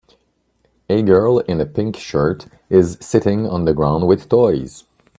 A girl in a pink shirt is sitting on the ground with toys.